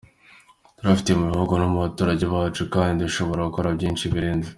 Turabifite mu bihugu no mu baturage bacu kandi dushobora gukora byinshi birenze.